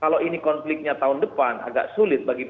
kalau ini konfliknya tahun depan agak sulit bagi